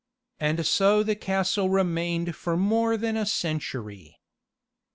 And so the castle remained for more than a century.